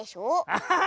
アッハハ！